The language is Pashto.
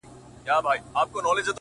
د قبر ته څو پېغلو څو زلميو ماښام _